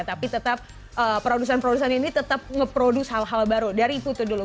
tapi tetap produsen produsen ini tetap nge produce hal hal baru dari puto dulu